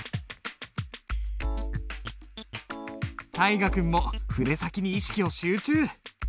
大河君も筆先に意識を集中！